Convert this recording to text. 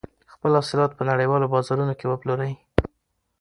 خپل حاصلات په نړیوالو بازارونو کې وپلورئ.